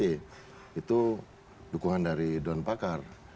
itu dukungan dari dewan pakar